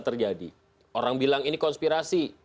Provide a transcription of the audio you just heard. terjadi orang bilang ini konspirasi